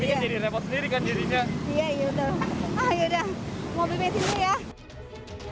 pengendara sepeda motor yang terdekat dengan rambu lalu lintas yang menyebabkan keadaan yang terjadi di jalan layang